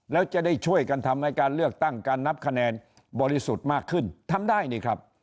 แล้วจะได้ช่วยกันทำให้การเลือกตั้งการนับคะแนนบริสุทธิ์มากขึ้นทำได้นี่ครับ